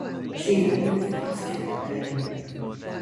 She then confronts Cad Bane.